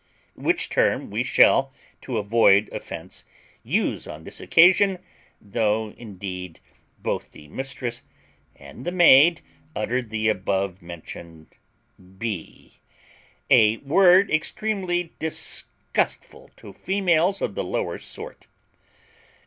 Which term we shall, to avoid offence, use on this occasion, though indeed both the mistress and maid uttered the above mentioned b , a word extremely disgustful to females of the lower sort.